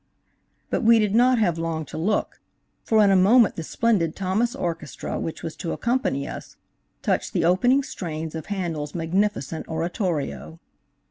But we did not have long to look, for in a moment the splendid Thomas Orchestra, which was to accompany us, touched the opening strains of Handel's magnificent Oratorio.